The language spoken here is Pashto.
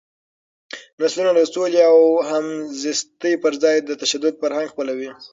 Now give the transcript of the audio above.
نسلونه د سولې او همزیستۍ پر ځای د تشدد فرهنګ خپلوي.